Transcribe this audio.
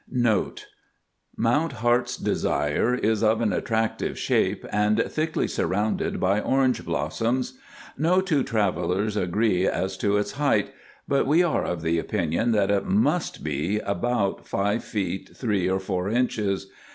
NOTE:—Mount Heart's Desire is of an attractive shape and thickly surrounded by orange blossoms. No two travellers agree as to its height, but we are of the opinion that it must be about five feet, three or four inches.